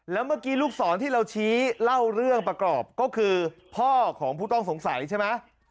แล้วเมื่อกี้ลูกศรที่เราชี้เล่าเรื่องประกอบก็คือพ่อของผู้ต้องสงสัยใช่ไหม